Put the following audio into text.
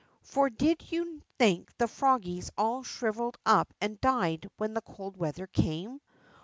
For did you think the froggies all shrivelled up and died when cold weather came